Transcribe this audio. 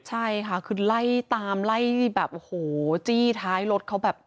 ใช่ค่ะคือไล่ตามไล่แบบโอ้โหจี้ท้ายรถเขาแบบ